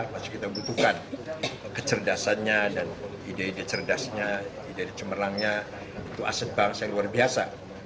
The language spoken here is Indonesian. masih kita butuhkan kecerdasannya dan ide ide cerdasnya ide ide cemerlangnya itu aset bangsa yang luar biasa